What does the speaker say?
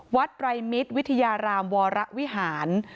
ไตรมิตรวิทยารามวรวิหาร